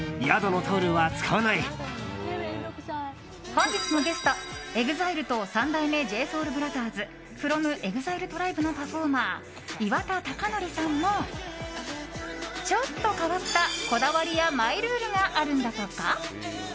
本日のゲストＥＸＩＬＥと三代目ＪＳＯＵＬＢＲＯＴＨＥＲＳｆｒｏｍＥＸＩＬＥＴＲＩＢＥのパフォーマー岩田剛典さんもちょっと変わったこだわりマイルールがあるんだとか。